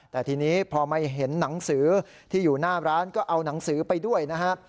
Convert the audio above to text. แต่ทีนี้พอไม่เห็นหนังสือที่อยู่หน้าร้านก็เอาหนังสือไปด้วยนะครับ